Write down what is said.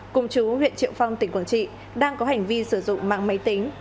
cùng chú huyện triệu phong tỉnh quảng trị đang có hành vi sử dụng mạng máy tính